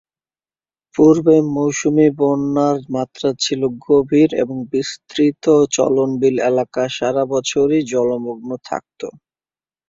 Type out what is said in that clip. পূর্বে মৌসুমি বন্যার মাত্রা ছিল গভীর এবং বিস্তৃত চলন বিল এলাকা সারাবছরই জলমগ্ন থাকত।